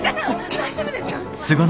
大丈夫ですか？